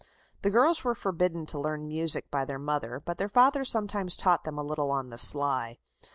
The girls were forbidden to learn music by their mother, but their father sometimes taught them a little on the sly.